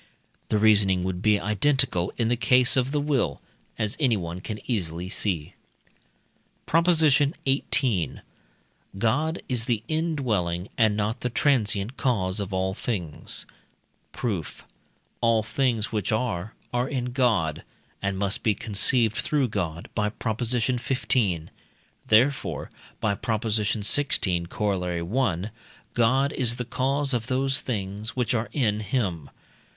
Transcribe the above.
The reasoning would be identical in the case of the will, as anyone can easily see. PROP. XVIII. God is the indwelling and not the transient cause of all things. Proof. All things which are, are in God, and must be conceived through God (by Prop. xv.), therefore (by Prop. xvi., Coroll. i.) God is the cause of those things which are in him.